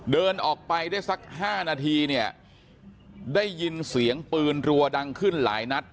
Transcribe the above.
เดินออกไปได้สัก๕นาทีเนี่ยได้ยินเสียงปืนรัวดังขึ้นหลายนัด